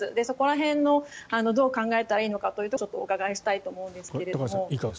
そこら辺のどう考えたらいいのかというのをちょっとお伺いしたいと思うんですが。